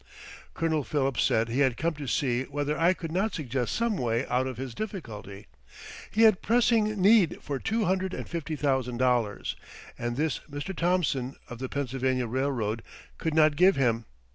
Colonel Phillips said he had come to see whether I could not suggest some way out of his difficulty. He had pressing need for two hundred and fifty thousand dollars, and this Mr. Thomson, of the Pennsylvania Railroad, could not give him.